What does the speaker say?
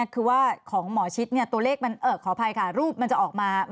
คือว่าของหมอชิดกระทอดภัยครับ